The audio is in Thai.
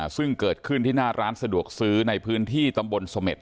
ซึ่งเกิดขึ้นที่หน้าร้านสะดวกซื้อในพื้นที่ตำบลเสม็ด